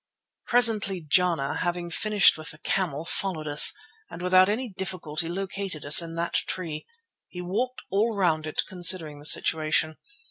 Presently Jana, having finished with the camel, followed us, and without any difficulty located us in that tree. He walked all round it considering the situation.